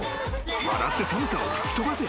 笑って寒さを吹き飛ばせ。